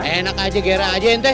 enak aja gera aja enteh